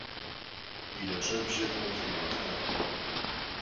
Yi neş'ebje them fimığelhağuç'e!